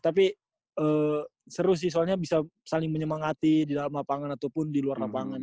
tapi seru sih soalnya bisa saling menyemangati di dalam lapangan ataupun di luar lapangan